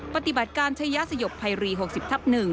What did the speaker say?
ปฏิบัติการใช้ยาสยบไพรี๖๐ทับ๑